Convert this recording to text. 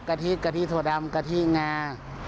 กะทิสัวดำกะทิงา